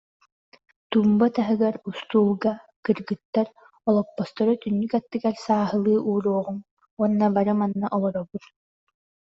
Туумба таһыгар, устуулга, кыргыттар, олоппостору түннүк аттыгар сааһылыы ууруоҕуҥ уонна бары манна олоробут